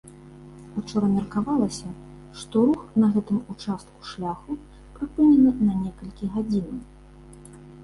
Учора меркавалася, што рух на гэтым участку шляху прыпынены на некалькі гадзінаў.